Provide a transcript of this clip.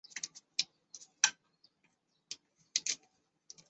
马里邦杜是巴西阿拉戈斯州的一个市镇。